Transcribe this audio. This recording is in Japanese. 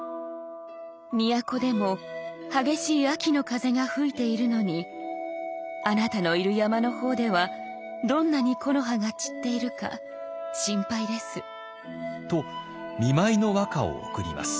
「都でも激しい秋の風が吹いているのにあなたのいる山の方ではどんなに木の葉が散っているか心配です」。と見舞いの和歌を贈ります。